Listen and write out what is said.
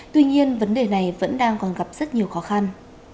tuy nhiên vấn đề này vẫn đang còn gặp rất nhiều khó khăn